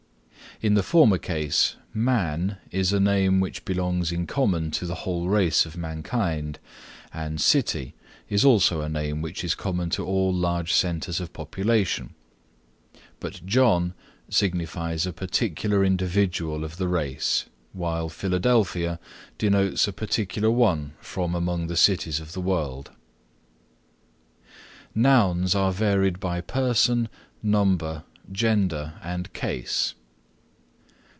In the former case man is a name which belongs in common to the whole race of mankind, and city is also a name which is common to all large centres of population, but John signifies a particular individual of the race, while Philadelphia denotes a particular one from among the cities of the world. Nouns are varied by Person, Number, Gender, and Case.